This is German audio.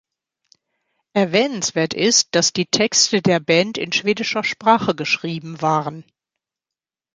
Erwähnenswert ist, dass die Texte der Band in schwedischer Sprache geschrieben waren.